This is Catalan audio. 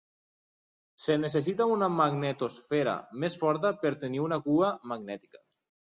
Es necessita una magnetosfera més forta per tenir una cua magnètica.